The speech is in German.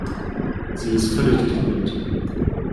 Sie ist völlig durch den Wind.